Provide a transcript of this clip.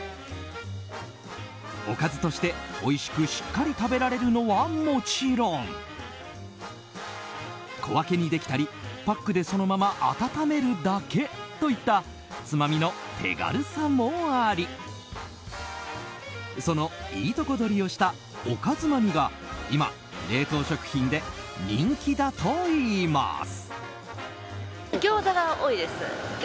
おかずとして、おいしくしっかり食べられるのはもちろん小分けにできたり、パックでそのまま温めるだけといったつまみの手軽さもありその、いいとこ取りをしたおかづまみが今、冷凍食品で人気だといいます。